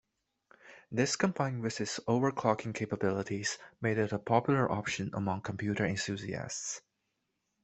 This combined with its overclocking capabilities made it a popular option among computer enthusiasts.